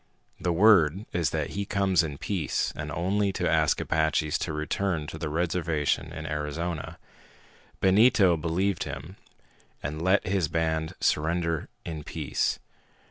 The word is that he comes in peace and only to ask Apaches to return to the reservation in Arizona. Benito believed him and let his band surrender in peace.